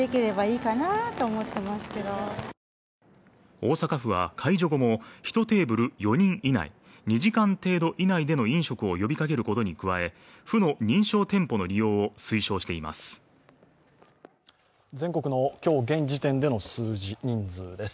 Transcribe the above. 大阪府は解除後も１テーブル４人以内２時間程度以内での飲食を呼びかけることに加え、府の認証店舗の利用を推奨しています。